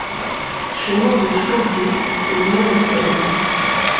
Chemin de Chauviau au numéro seize